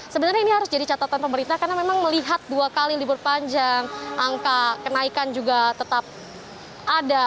sebenarnya ini harus jadi catatan pemerintah karena memang melihat dua kali libur panjang angka kenaikan juga tetap ada